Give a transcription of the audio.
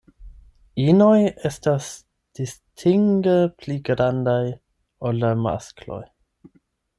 Inoj estas distinge pli grandaj ol la maskloj.